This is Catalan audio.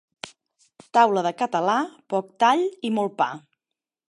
Taula de català, poc tall i molt pa.